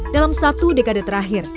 dalam satu dekade terakhir